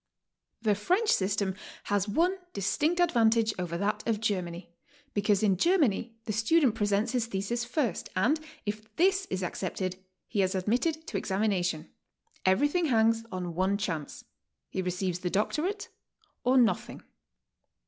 The French system has one distinct advantage over that of Germany, because in Germany the student presents his Ihesis first, and if this is accepted, he is admitted to exami nation. Everything hangs on one chance. He receives the doctorate or nothing.